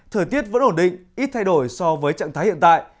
thời tiết vẫn ổn định ít thay đổi so với trạng thái hiện tại